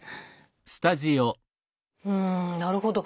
うんなるほど。